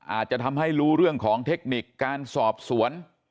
อาจจะทำให้รู้เรื่องของเทคนิคการสอบสวน